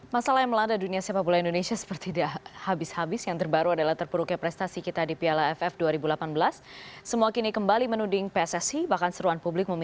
mas akmal selamat malam